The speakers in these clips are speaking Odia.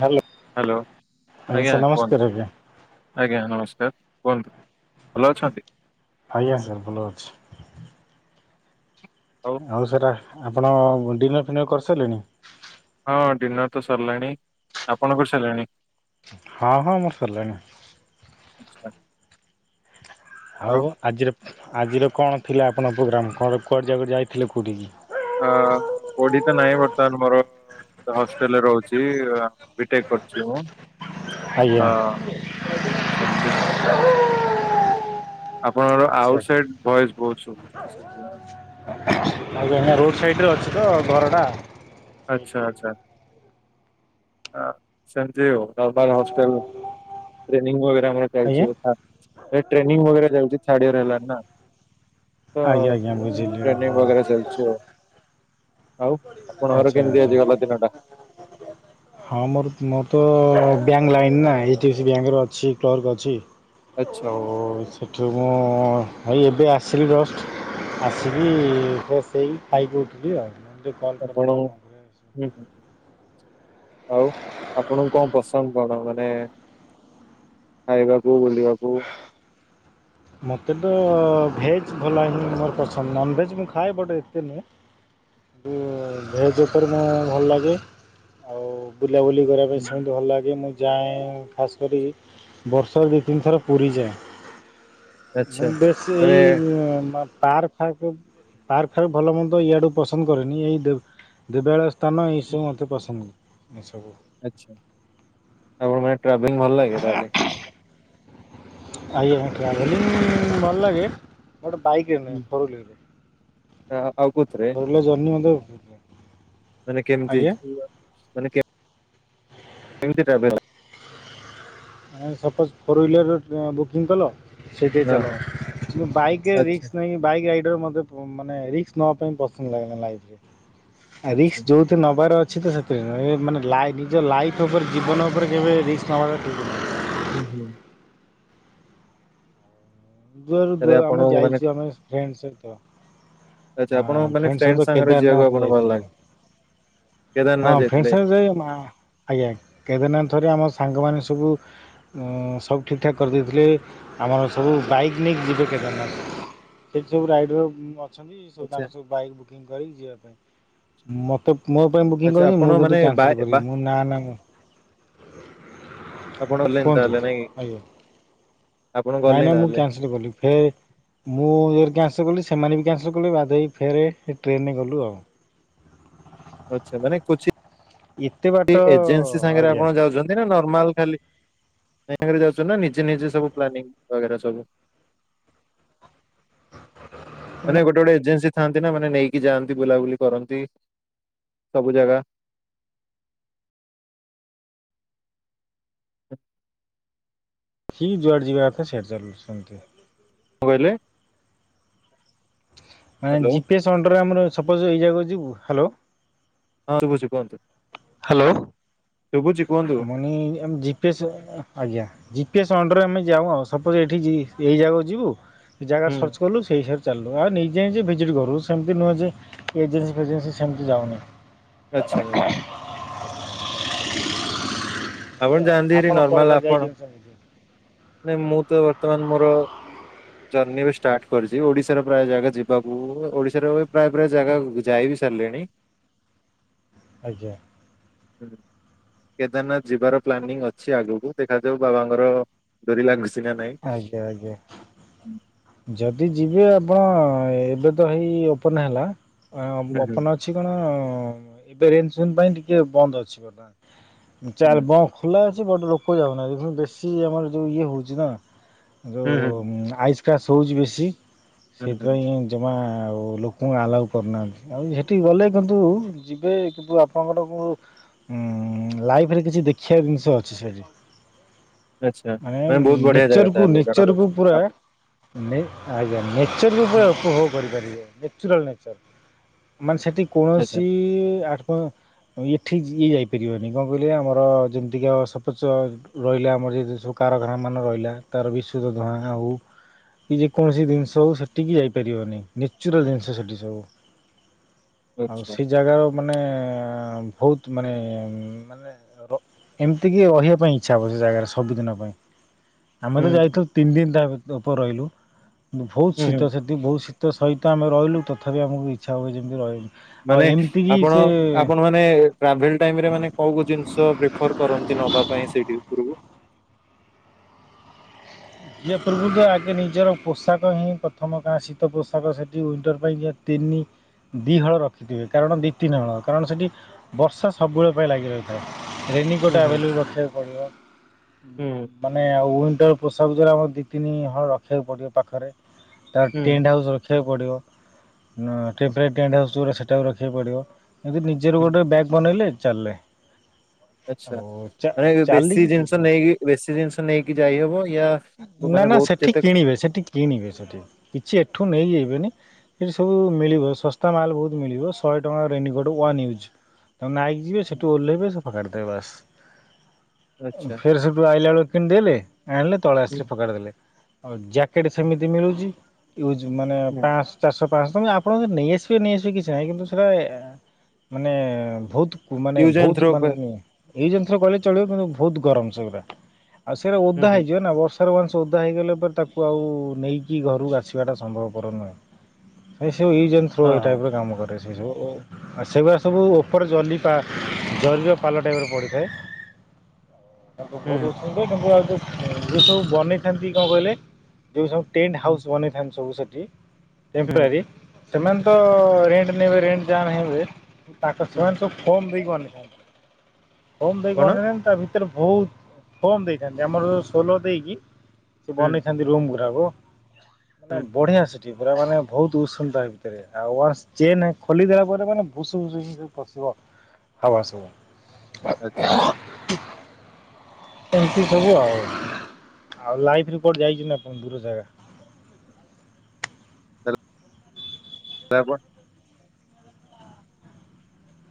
ହ୍ୟାଲୋ ହ୍ୟାଲୋ ଆଜ୍ଞା ଆଜ୍ଞା ସାର୍ କୁହନ୍ତୁ ନମସ୍କାର ଆଜ୍ଞା। ଆଜ୍ଞା ନମସ୍କାର୍, କୁହନ୍ତୁ ଭଲ ଅଛନ୍ତି? ଆଜ୍ଞା ସାର୍ ଭଲ ଅଛି। ଆଉ ସାର୍ ଆପଣ ଡିନର୍ ଫିନର୍ କରିସାରିଲେଣି? ହଁ ଡିନର୍ ତ ସରିଲାଣି, ଆପଣଙ୍କର ସରିଲାଣି? ହଁ-ହଁ ମୋର ସରିଲାଣି। ଆଚ୍ଛା ଆଉ ଆଜିର-ଆଜିର କଣ ଥିଲା ଆପଣଙ୍କ ପ୍ରୋଗ୍ରାମ୍ କଣ କୁଆଡ଼େ [unintelligible] ଯାଇଥିଲେ କେଉଠିକି? ଅଁ କୋଉଠିକି ତ ନାଇଁ ବର୍ତ୍ତମାନ୍ ମୋର ତ ହଷ୍ଟେଲରେ ରହୁଛି ବି ଟେକ୍ କରୁଛି ମୁଁ। ଆଜ୍ଞା ହଁ [unintelligible] ଆପଣଙ୍କର ଆଚ୍ଛା ଆଉଟ୍ ସାଇଡ୍ ଭଏସ ବହୁତ୍ [unintelligible] ଆଜ୍ଞା-ଆଜ୍ଞା ରୋଡ୍ ସାଇଡ୍ ରେ ଅଛି ତ ଘର ଟା। ଆଚ୍ଛା-ଆଚ୍ଛା। ଅ ସେମ୍ତି ଆଉ ନର୍ମାଲ୍ ହସ୍ପିଟାଲ ଟ୍ରେନିଂ ବଗେରା ଆମର ଆଜ୍ଞା ଚାଲିଛି। ଏ ଟ୍ରେନିଂ ବଗେରା ଚାଲ୍ଚି ଥାର୍ଡ ଇୟର୍ ହେଲାଣି ନା। ତ ଆଜ୍ଞା ଆଜ୍ଞା ବୁଝିଲି ଟ୍ରେନିଂ ଓହୋ ବଗେରା ଚାଲ୍ଚି ଆଉ। ଆଉ ଆପଣଙ୍କର କେମିତି ଆଜି ଆଚ୍ଛା-ଆଚ୍ଛା। ଗଲା ଦିନଟା? ହଁ ମୋର-ମୋର ତ ବ୍ୟାଙ୍କ୍ ଲାଇନ୍ ନା ଏଚ୍ ଡି ଏଫ୍ ସି ବ୍ୟାଙ୍କରେ ଅଛି କ୍ଲର୍କ ଅଛି। ଆଚ୍ଛା ଆଉ ସେଠୁ ମୁଁ [unintelligible] ଏବେ ଆସିଲି ଜଷ୍ଟ୍। ଆସିକି ଫ୍ରେସ୍ ହୋଇ ଖାଇକି ଉଠିଲି ଆଉ, ଟିକେ କଲ୍ ଆପଣ କରିଦବା ହୁଁ [unintelligible] ହୁଁ ଆଉ ଆପଣଙ୍କୁ କଣ ପସନ୍ଦ କଣ ମାନେ ଖାଇବାକୁ ବୁଲିବାକୁ? ମତେ ତ ହୁଁ, ଭେଜ୍ ଭଲା ହିଁ ମୋର ପସନ୍ଦ ନନ୍ଭେଜ୍ ମୁଁ ଖାଏ ବଟ୍ ଏତେ ନୁହେଁ। ଭେଜ୍ ଉପରେ ମୁଁ ଭଲ୍ ଲଗେ ଆଉ ବୁଲାବୁଲି କରିବା ପାଇଁ ହୁଁ, ସେମିତି ଭଲ୍ ଲାଗେ ମୁଁ ଯାଏଁ ଖାସ୍ କରି ବର୍ଷରେ ଦୁଇ ତିନିଥର ପୁରୀ ଯାଏ। ଆଚ୍ଛା ମୁଁ ବେଶ୍ ମାନେ ଏଇ ପାର୍କ ପାର୍କ ଫାର୍କ ଭଲ ମନ୍ଦ ଇଆଡୁ ପସନ୍ଦ କରେନି ଏଇ ଦେ ଦେବାଳୟ ସ୍ଥାନ ହୁଁ, ଏସବୁ ମତେ ପସନ୍ଦ ଏସବୁ। ଆଚ୍ଛା ଆପଣଙ୍କୁ ମାନେ ଟ୍ରାଭେଲିଙ୍ଗ ଭଲ୍ ଲାଗେ ତାହେଲେ? ଆଜ୍ଞା ଟ୍ରାଭେଲିଂ ଭଲ୍ ଲାଗେ। [unintelligible] ବାଇକରେ ନୁହେଁ ହୁଁ। ଫୋର୍ ଆ- ଆଉ କୋଉଥିରେ ହ୍ୱିଲର୍, ଫୋର୍ ହ୍ୱିଲର୍ ଜର୍ନି ମତେ ମାନେ କେମ୍ତି ମାନେ କେମ୍ତି [unintelligible] ସପୋଜ୍ ଫୋର୍ ହ୍ୱିଲର୍ ବୁକିଂ କଲ ସେଇଠେଇ ହଁ ଚାଲ ହଁ କିନ୍ତୁ ବାଇକ୍ ରେ ଆଚ୍ଛା ରିସ୍କ ନାହିଁ, ବାଇକ୍ [unintelligible] ମତେ ମାନେ ରିସ୍କ୍ ନବାପାଇଁ ପସନ୍ଦ ଲାଗେନା ଲାଇଫ୍ ଆଚ୍ଛା ରେ। ନବାର ଅଛି ତ ସେଥିରେ ମାନେ ନିଜ ଲାଇଫ୍ ଓପରେ ଜୀବନ ଓପରେ କେବେ ରୀସ୍କ ନବାଟା ହ ଠିକ୍ ନୁହଁ। ଦୁଆରୁ ତାହେଲେ ଦୁଆ ଆମେ ଆପଣଙ୍କୁ ମାନେ ଯାଇଛୁ ଆମେ ଫ୍ରେଣ୍ଡ ସହିତ। ଆଚ୍ଛା ହଁ ଆପଣଙ୍କୁ ମାନେ ସହିତ ଫ୍ରେଣ୍ଡ ସାଙ୍ଗରେ ଯିବାକୁ କେଦାରନାଥ ଆପଣଙ୍କୁ ଭଲ୍ ଯାଇଥିଲୁ ଲାଗେ? ହଁ କେଦାରନାଥ ଫ୍ରେଣ୍ଡ ଯାଇଥିଲେ ସାଙ୍ଗେରେ ଯାଇ ମା ଆଜ୍ଞା କେଦିନ ଥରେ ଆମ ସାଙ୍ଗମାନେ ସବୁ ସବୁ ଠିକ୍ ଠାକ୍ କରିଦେଇଥିଲେ, ଆମର ସବୁ ବାଇକ୍ ନେଇକି ଯିବେ କେଦାରନାଥ। ସେଠି ସବୁ ରାଇଡର୍ ଅ ଅଛନ୍ତି ସବୁ ଆଚ୍ଛା ତାଙ୍କ ସବୁ ବାଇକ୍ ବୁକିଂ କରିକି ଯିବା ପାଇଁ, ମତେ ମୋ ପାଇଁ ବୁକିଂ ଆଚ୍ଛା [unintelligible] ଆପଣ ମୁଁ କିନ୍ତୁ ମାନେ ବାଏ କ୍ୟାନ୍ସେଲ୍ କରିବି ବା ମୁଁ ନା-ନା। ଆପଣ [unintelligible] ତାହେଲେ ନାଇଁ? ଆପଣ ଗଲେନି ନାଇଁ-ନାଇଁ ମୁଁ ତାହେଲେ କ୍ୟାନ୍ସେଲ୍ କଲି, ଫେରେ ମୁଁ [unintelligible] କ୍ୟାନ୍ସେଲ୍ କଲି ସେମାନେ ବି କ୍ୟାନ୍ସେଲ୍ କଲେ, ବାଧ୍ୟ ହେଇକି ଫେରେ ଟ୍ରେନରେ ଗଲୁ ଆଉ। ଆଚ୍ଛା ମାନେ କୋଚି ଏତେ ସେ ବାଟ ଏଜେନ୍ସି ସାଙ୍ଗରେ ଆଜ୍ଞା ଆପଣ ଯାଉଛନ୍ତି ନର୍ମାଲ ଖାଲି ଯାଉ ନା ନିଜେ ନିଜେ ସବୁ ପ୍ଲାନିଂ ବଗେରା ସବୁ। ମାନେ ଗୋଟେ ଗୋଟେ ଏଜେନ୍ସି ଥାନ୍ତି ନା ମାନେ ନେଇକି ଯାଆନ୍ତି ବୁଲାବୁଲି କରନ୍ତି ସବୁ ଜାଗା। [inaudible] କି ଯୁଆଡେ ଯିବା କଥା ସିଆଡେ ଚାଲ ସମେତେ। କଣ କହିଲେ? ମାନେ ହ୍ୟାଲୋ ଜି ପି ଏସ୍ ଅଣ୍ଡରରେ ଆମର ସପୋଜ ଏଇ ଜାଗା କୁ ଯିବୁ ହ୍ୟାଲୋ। ହଁ ଶୁଭୁଚି କୁହନ୍ତୁ। ହ୍ୟାଲୋ। ଶୁଭୁଚି। ମନି ଆମ ଜୀପ୍ ଜି ପିଏସ୍ ଆଜ୍ଞା ଜି ପିଏସ୍ ଅଣ୍ଡରରେ ଆମେ ଯାଉ ଆଉ ସପୋଜ ଏଇଠି ଏଇ ଜାଗାକୁ ଯିବୁ ସେ ଜାଗା ହୁଁ ସର୍ଚ୍ଚ କଲୁ ସେଇ ହିସାବ ରେ ଚାଲଲୁ ଆଉ ନିଜେ ନିଜେ ଭିଜିଟ୍ କରୁ ସେମିତି ନୁହେଁ ଯେ ଏଜେନ୍ସି ଫେଜେନ୍ସି ସେମିତି ଯାଉନି ଚା ଆଚ୍ଛା। ଆପଣ ଯାଆନ୍ତି ହେରି ଆପଣ କୁଆଡ଼େ ନର୍ମାଲ କୁଆଡ଼େ ଆପଣ ଯାଇଛନ୍ତି ସେମିତି ନାଇଁ ମୁଁ ତ ବର୍ତ୍ତମାନ ମୋର ଜର୍ଣ୍ଣିି ବି ଷ୍ଟାର୍ଟ କରିଛି ଓଡିଶାରେ ପ୍ରାୟ ଜାଗା ଯିବାକୁ ଓଡିଶାରେ ପ୍ରାୟ ପ୍ରାୟ ଜାଗା ଯାଇବି ସାଲଲିଣୀ। ଆଜ୍ଞା। ହଁ କେଦାରନାଥ ଯିବାର ପ୍ଲାନିଂ ଅଛି ଆଗକୁ ଦେଖାଯାଉ ବାବାଙ୍କର ଡୋରି ଲାଗୁଚି ନା ନାଇଁ। ସେୟା ଯେ। ଯଦି ଯିବେ ଆପଣ ଏବେ ତ ହେଇ ଓପନ ହେଲା ହୁଁ ହୁଁ ଓପନ ଅ ଅଛି କଣ ଏବେ ରେନ୍ ଫେନ୍ ପାଇଁ ଟିକେ ବନ୍ଦ ଅଛି ବର୍ତମାନ। ଚା ହୁଁ। ବ ଖୋଲା ଅଛି ବ ଲୋକ ଯାଉନା ଦେଖନ୍ତୁ ବେଶୀ ଆମର ଯୋଉ ଇଏ ହଉଛି ନା। ହୁଁ ଯୋଉ ହୁଁ ଆଇସ୍ କାସ୍ ହେଉଛି ବେଶୀ ହୁଁ ହୁଁ ସେଇଥିପାଇଁ ଜମା ଆଉ ଲୋକଙ୍କୁ ଆଲାଓ କରୁନାହାଁନ୍ତି ଆଉ ସେଠିକି ଗଲେ କିନ୍ତୁ ଯିବେ କିନ୍ତୁ ଆପଣଙ୍କରକୁ ଲାଇଫରେ କିଛି ଦେଖିବା ଜିନିଷ ଅଛି ସେଠି ଆଚ୍ଛା ମାନେ ବହୁତ ବଢ଼ିଆ ଜାଗା ନେଚର୍କୁ ତାହାଲେ ଜଣା ନେଚର୍କୁ ପୁରା ପଡୁଛି। ଆଜ୍ଞା ନେଚର ବି ପୁରା ଉପଭୋଗ କରିପାରିବେ। ନେଚୁରାଲ ନେଚର୍ ମାନେ ସେଠି ଆଚ୍ଛା କୌଣସି ଆଟ୍ ଇଏ ଠିକ୍ ଇଏ ଯାଇପାରିବନି କଣ କହିଲେ ଆମର ଯେମିତିକା ସପୋଜ ରହିଲା ଆମର ଯେହେତୁ ସବୁ କାରଖାନା ମାନ ରହିଲା ତାର ବିଶ୍ଵ [unintelligible] ହୋଉ। କି ଯେକୌଣସି ଜିନିଷ ହଉ ସେଠିକି ଯାଇପାରିବନି ନେଚୁରାଲ ଜିନିଷ ସେଠି ସବୁ। ଆଉ ଆଚ୍ଛା ସେ ଜାଗାର ମାନେ ବହୁତ ମାନେ ଏମିତି କିି ରହିବା ପାଇଁ ଇଚ୍ଛା ହବ ସେ ଜାଗାରେ ସବୁଦିନ ପାଇଁ। ଆମେ ହୁଁ ତ ଯାଇଥିଲୁ ତିନି ଦିନ ତା ଉପରେ ରହିଲୁ ବହୁତ ହୁଁ ଶୀତ ହୁଁ ସେଠି ବହୁତ ଶୀତ ସହିତ ଆମେ ରହିଲୁ ତଥାପି ଆମକୁ ଇଚ୍ଛା ହୁଏ ଯେମିତି ରହିବ ମାନେ ଆପଣ ଆପଣ ମାନ ମାନେ ଟ୍ରାଭେଲ ଟାଇମ ରେ ମାନେ କୋଉ ଜିନିଷ ପ୍ରିଫର କରନ୍ତି ନବା ପାଇଁ ସେଇଠି ଉପରକୁ। ୟା ପୂର୍ବୁ ରୁ ଯେ ଆଗେ ନିଜର ପୋଷାକ ହିଁ ପ୍ରଥମ କା ଶୀତ ପୋଷାକ ସେଠି ୱିଣ୍ଟର ପାଇଁ ଯ ତିନି ଦିଇ ହଳ ରଖିଥିବେ କାରଣ ଦି ତିନି ହଳ କାରଣ ସେଠି ବର୍ଷା ସବୁବେଳେ ପାଇଁ ଲାଗି ରହିଛି। ରେନିକୋଟ ହୁଁ ହୁଁ ଆଭେଲେବୁଲ ରଖିବାକୁ ପଡିବ ହୁଁ ମାନେ ଆଉ ୱିନଟର ସବୁ ଯୌରା ଆମର ଦୁଇ ତିନି ହଳ ରଖିବାକୁ ପଡ଼ିବ ପାଖରେ ତାପ ହୁଁ ଟେଣ୍ଟ ହାଉସ୍ ରଖ ରଖିବାକୁ ପଡ଼ିବ ଟେମ୍ପରେଟ ଟ୍ୟାଣ୍ଟ ହାଉସ ଗୋଟେ ସେଇଟା ବି ରଖିବାକୁ ପଡ଼ିବ। ଏଦି ନିଜେ ହୁଁ ଗୋଟେ ବ୍ୟାଗ ବନେଇଲେ ଚାଲିଲେ। ଆଛା ଓ ଚା ମାନେ ବେଶୀ ଚାଲିକି ଜିନିଷ ଯିବି ନେଇକି ବେଶୀ ଜିନିଷ ନେଇକି ଯାଇହବ ୟା ନା ମାନେ ନା ବହୁତ ସେଠି ଯେତେ କିଣିବେ ସେଠି କିଣିବେ ସେଠି କିଛି ଏଠୁ ନେଇଯିବେନି। ଏଇଠି ସବୁ ମିଳିବ ଶସ୍ତା ମାଲ୍ ବହୁତ ମିଳିବ ଶହେ ଟଙ୍କା ରେନଗୋଡ଼୍ ୱାନ୍ ୟୁଜ୍। ତମ ନାଇକି ଯିବେ ହୁଁ, ସେଠୁ ଓହ୍ଲାଇବେ ସେ ଫୋକାଡ଼ିଦବେ ବାସ୍। ଆଚ୍ଛା ଫେର ସେଠୁ ଆଇଲା ବେଳକୁ କିଣିଦେଲେ ଆଣିଲେ ତଳେ ହୁଁ ଆସିଲେ ଫପାଡିଦେଲେ ଆଉ ଜ୍ୟାକେଟ ସେମିତି ମିଳୁଛି ଯୁଜ଼ ମାନେ ହୁଁ ପାସ ଚାରିଶହ, ପାଞ୍ଚଶହ ତ ଆପଣ ନେଇଆସିବେ ନେଇଆସିବେ କିଛି ନାହିଁ କିନ୍ତୁ ସେଇଟା ମାନେ ବହୁତ ମାନେ ୟୁଜ ଆଣ୍ଡ ବହୁତ ଥ୍ରୋ ମାନେ ଉପରେ ଏଇ ଜିନିଷରେ କହିଲେ ଚଳିବ କିନ୍ତୁ ବହୁତ ଗରମ ସେଗୁଡା। ଆଉ ସେଟା ହୁଁ ଓଧା ହୁଁ ହେଇଛି କ ବର୍ଷାରେ ୱାନ୍ସ ଓଦା ହେଇଗଲେ ପରେ, ତାକୁ ଆଉ ନେଇକି ଘରକୁ ଆସିବାଟା ସମ୍ଭବ କରର ନୁହେଁ। ସେ ସବୁ ୟୁଜ଼ ଏଣ୍ଡ ଥ୍ରୋ ହଁ ଏଇ ହଁ ଟାଇପରେ କାମ କରେ। ସେ ସେଗୁଡ଼ା ସବୁ ଉପର ଜଲିପା ଜାରିର ପାଲ ଟାଇପରେ ପଡ଼ିଥାଏ। [inaudible] [unintelligible] ହୁଁ ଯ ସବୁ ବନେଇଥାନ୍ତି କଣ କହିଲେ ଯୋଉ ସବୁ ଟେଣ୍ଟ ହୁଁ ହାଉସ ବନେଇଥାନ୍ତି ସବୁ ସେଠି ହୁଁ ଟେମ୍ପରାରୀ ସେମାନେ ତ ରେଣ୍ଟ ନେବେ ରେଣ୍ଟ ଯାହା ନେଇହେବେ ତାଙ୍କ ହୁଁ ସେମାନେ ସବୁ ଫୋନ ଦେଇକି ବନେଇଥାନ୍ତି ଫୋନ ଦେଇକି କଣ? ବାନେଇଲା ଉତ୍ତାରୁ ରେ ବହୁତ ଫୋମ ଦେଇଥାନ୍ତି ଆମର ସୋଲ ଦେଇକି ସେ ହୁଁ ବନେଇଥାନ୍ତି ରୁମ ଗୁଡାକ ହୁଁ ବଢିଆ ସେ ପୁରା ମାନେ ବହୁତ ଉଷୁମ ତା ଭିତରେ, ଆଉ ୱାନ୍ସ ଚେନ୍ ଖୋଲିଦେଲା ପରେ ମାନେ ଭୁୁସ ଭୁସ ଆସିବ ହାୱା ସବୁ। ଆଚ୍ଛା ଏମତି ସବୁ ଆଉ, ଆଉ ଲାଇଫ ରିପୋର୍ଟ ଯାଇଛି ନା ପୁଣି ଦୂର ଜାଗା। ତାପ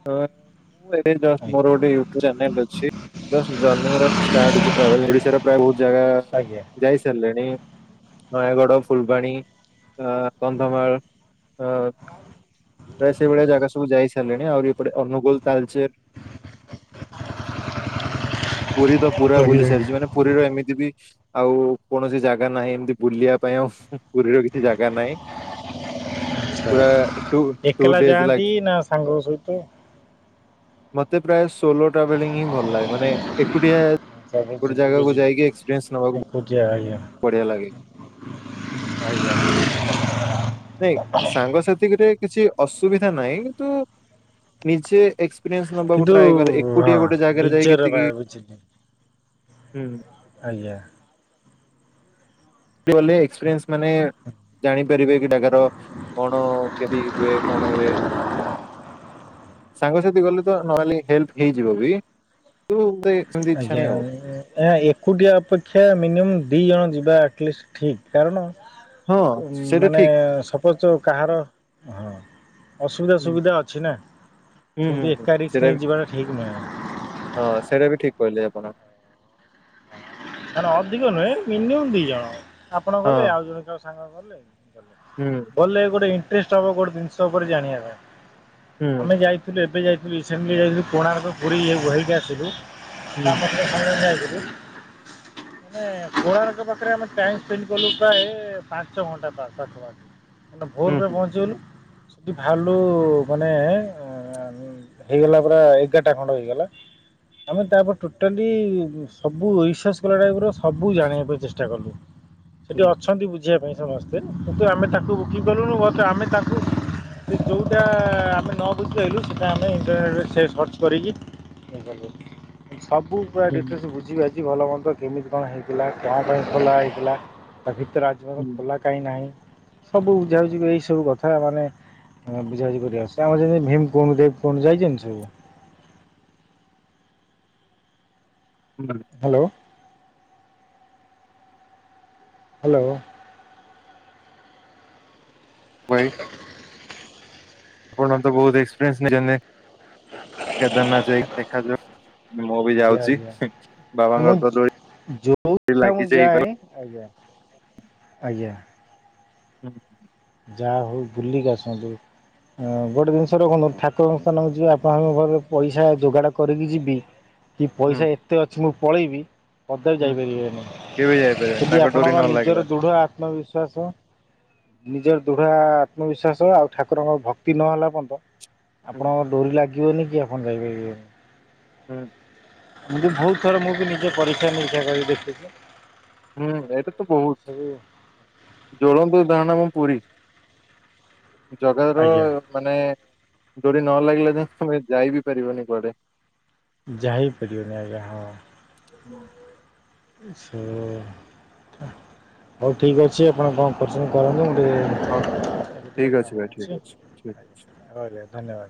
ହ ମୁଁ ଏବେ ଜଷ୍ଟ ଆଜ୍ଞା। ମୋର ଗୋଟେ ୟୁଟ୍ୟୁବ ଚାନେଲ ଅଛି। ଜଷ୍ଟ ଜର୍ନି ମୋର ଏବେ ଷ୍ଟାର୍ଟ ହୋଇଛି, ଟ୍ରାଭେଲ ଓଡିଶ ପ୍ରାୟ ବହୁତ ଜାଗା ଆଜ୍ଞା ଯାଇ ସାରିଲିଣି। ନୟାଗଡ଼, ଫୁଲବାଣୀ, ଏଁ କନ୍ଧମାଳ ପ୍ରାୟ ସେଇଭଳିଆ ଜାଗା ସବୁ ଯାଇ ସାରିଲିଣି, ଆହୁରି ଏପଟେ ଅନୁଗୁଳ, ତାଲଚେର ପୁରୀ ତ ପୁରା ବୁଲି ଆଜ୍ଞା। ସାରିଛି ମାନେ ପୁରୀର ଏମିତି ବି ଆଉ କୌଣସି ଜାଗା ନାହିଁ, ଏମିତି ବୁଲିବା ପାଇଁ ଆଉ ପୁରୀର କିଛି ଜାଗା ନାହିଁ ଆଚ୍ଛା ପୁରା ଟୁ ଟୁ ଏକଲା ଡେଜ ଯାଆନ୍ତି ଲାଗ୍ ନା ସାଙ୍ଗଙ୍କ ସହିତ? ମତେ ପ୍ରାୟ ସୋଲୋ ଟ୍ରାଭେଲିଂ ହିଁ ଭଲ ଲାଗେ ମାନେ ଏକୁଟିଆ, ଆଚ୍ଛା ଗୋଟେ ବୁଝିଲି ଜାଗାକୁ ବୁଝିଲି ଯାଇକି ଏକ୍ସପିରିଏନ୍ସ ନେବାକୁ, ଏକୁଟିଆ ଆଜ୍ଞା ବହୁତ ବଢିଆ ଲାଗେ। [inaudible] ଆ [inaudible] ନାଇଁ ସାଙ୍ଗସାଥିରେ କିଛି ଅସୁବିଧା ନାହିଁ କିନ୍ତୁ ନିଜେ ଏକ୍ସ ଏକ୍ସପିରିଏନ୍ସ ନବାକୁ କିନ୍ତୁ ଟ୍ରାୟେ କରେ, ହଁ ଏକୁଟିଆ ଗୋଟେ ଜାଗାରେ ଯାଇ ନିଜର ବା ଏତିକି ବୁଝିଲି। ହୁଁ ଆଜ୍ଞା ଗଲେ ଏକ୍ସପିରିଏନ୍ସ ମାନେ ଜାଣିପାରିବେ କି ତାଙ୍କର କଣ କେମିତି ହୁଏ କଣ ହୁଏ। ସାଙ୍ଗସାଥି ଗଲେ ତ ନହେଲେ ହେଲ୍ପ ହେଇଯିବ ବି କିନ୍ତୁ ଗୋଟେ ଆଜ୍ଞା ଏକୁଟିଆ ଅପେକ୍ଷା, ମିନିମମ୍ ଦି ଜଣ ଯିବା ଆଟଲିଷ୍ଟ ଠିକ। କାରଣ ହଁ ସେଇଟା ମାନେ ଠିକ ସପୋଜ କାହାର ହଁ ଅସୁବିଧା ହୁଁ ସୁବିଧା ଅଛି ନା, ହୁଁ ସେମିତି ହୁଁ ହୁଁ ଏକାରିସ୍କ ସେଇଟା ବି ନେଇକି ଯିବାଟା ଠିକ ନୁହେଁ। ହଁ ସେଇଟା ବି ଠିକ୍ କହିଲେ ଆପଣ। କ ଅଧିକ ନୁହେଁ ମିନିମମ୍ ଦି ଜଣ ଆପଣ ଗଲେ ହଁ ଆଉ ଜଣ ସାଙ୍ଗ ଗଲେ ଗଲେ ହୁଁ ଗଲେ ଗୋଟେ ଇଣ୍ଟରେଷ୍ଟ ହବ ଗୋଟେ ଜିନିଷ ଉପରେ ଜାଣିବା ପାଇଁ। ହୁଁ ଆମେ ଯାଇ ଥିଲୁ ଏବେ ଯାଇଥିଲୁ ରିସେଣ୍ଟଲି ଯାଇଥିଲୁ କୋଣାର୍କ, ପୁରୀ ଇ ଗହରକି ଆସିଲୁ ହୁଁ ତାପରେ [inaudible] ମାନେ କୋଣାର୍କ ପାଖରେ ଆମେ ଟାଇ ସ୍ପେଣ୍ଡ କଲୁ ପ୍ରାୟ ପାଞ୍ଚ ଘଣ୍ଟା ପାଖାପାଖି। ମାନେ ହୁଁ ଭୋର ପୁରା ହୁଁ ପହଞ୍ଚିଗଲୁ, ସେଠି ବାହାରିଲୁ ମାନେ ହେଇଗଲା ପୁରା, ଏଗାରଟା ଖଣ୍ଡ ହେଇଗଲା। ଆମେ ତାପରେ ଟୋଟାଲି, ସବୁ ଇଶସ୍ ଟାଇପ୍ ର ସବୁ ଜାଣିବା ପାଇଁ ଚେଷ୍ଟା କଲୁ। ସେଠି ହୁଁ ଅଛନ୍ତି ବୁଝିବା ପାଇଁ। ସମସ୍ତେ କିନ୍ତୁ ଆମେ ତାକୁ ବୁକିଂ କଲୁନୁ ବଟ ଆମେ ତାକୁ ଯେଉଁଟା ଆମେ ନ ବୁଝିପାଇ, ସେଇଟା ଆମେ ଇଣ୍ଟରନେଟେ ସେ ସର୍ଚ୍ଚ କରିକି [unintelligible] ସବୁ ପୁରା ହୁଁ ହୁଁ ଡିଟେଲ୍ସ ବୁଝିବି ଆଜି ଭଲ ମନ୍ଦ କେମିତି କଣ ହେଇଥିଲା କଣ ପାଇଁ ଖୋଲା ହେଇଥିଲା ତା ଭିତରେ ଆ ଜନ ହୁଁ ଖୋଲା କାହିଁ ନାହିଁ ସବୁ ବୁଝାଉଛି ଏଇ ସବୁ କଥା ମାନେ [inaudible] ହଁ ବୁଝାୁଝି କରିବା ଆ ଆମ ଯେମି ଭିମ କଉଠ କଉଠୁ [unintelligible] ଯାଇଛନ୍ତି ସବୁ [inaudible] ହ୍ୟାଲୋ। ହ୍ୟାଲୋ। [inaudible] [inaudible] ଆପଣ ତ ବହୁତ ଏକ୍ସପିରିଏନ୍ସ ନେଇଛନ୍ତି। କେଦାରନାଥ ଯାଇକି ଦେଖାଯାଉ ମୁଁ ବି ଆଜ୍ଞା ଯାଉଛି ବାବାଙ୍କର ତ ଯୋ ଯଉ ମୁଁ ଯାଏ ଆଜ୍ଞା ଆଜ୍ଞା [inaudible] ଯାହା ହଉ ବୁଲିକି ଆସନ୍ତୁ ହଁ ଗୋଟେ ଜିନିଷ ରଖନ୍ତୁ ଠାକୁରଙ୍କ ସ୍ଥାନକୁ ଯିବେ ଆପଣ ଘ ପଇସା ଯୋଗାଡ଼ କରିକି ଯିବି କି ହୁଁ ପଇସା ଏତେ ଅଛି ମୁଁ ପଳେଇବି ପଦରେ ହୁଁ ଯାଇପାରିବେନି କେବେ ଯାଇପାରିବେନି ଯଦି ତାଙ୍କ ଡୋରି ଆପଣଙ୍କ ନ ଲାଗିଲା। ନିଜର ଦୃଢ ଆତ୍ମବିଶ୍ଵାସ ନିଜର ଦୃଢ ଆତ୍ମବିଶ୍ୱାସ ଆଉ ଠାକୁରଙ୍କର ଭକ୍ତି ନହେଲା ପର୍ଯ୍ୟନ୍ତ ହୁଁ ଆପଣଙ୍କ ଡୋରି ଲାଗି [unintelligible] କିି ଆପଣ ଯାଇବେ ଯ [unintelligible] ଏମିତି ବହୁତ ଥର ମୁଁ ବି ନିଜେ ପରୀକ୍ଷା ନିରୀକ୍ଷା କରିିକ ଦେଖିଥିଲି। ହୁଁ ଏଇଟା ତ ବହୁତ ଜୋଳନ୍ତୁଉଦହରଣ ମୁ ପୁରୀ ଜଗାର ଆଜ୍ଞା ମାନେ ଡୋରି ନ ଲାଗିଲେ ଯେ ତମେ ଯାଇ ବିି ପାରିବନି କୁଆଡେ ଯାାଇ ପଡ଼ିଓନ ଆ ଯଞ ହଁ [unintelligible] ଆଛ ହଉ ଠିକ୍ ଅଛି ଆପଣ କଣ କରୁଛନ୍ତି କରନ୍ତୁ ଟିକେ ହଁ ଠିକ ଅଛି ଭାଇ ଠିକ ଅଛି ଠିକ ଅଛି ଆା ଧନ୍ୟବାଦ